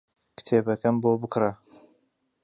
کتێبەکەم بۆ بکڕە.